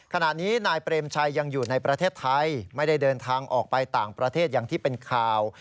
ขณะนี้นายเปรมชัยยังอยู่ในประเทศไทยไม่ได้เดินทางออกไปต่างประเทศอย่างที่เป็นข่าว